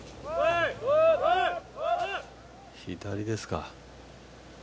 左ですか。